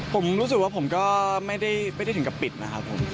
ผมรู้สึกว่าผมก็ไม่ได้ถึงกับปิดนะครับผม